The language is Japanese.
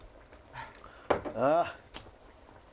ああ。